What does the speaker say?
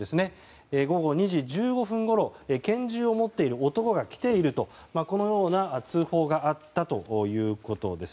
午後２時１５分ごろ拳銃を持っている男が来ているとこのような通報があったということです。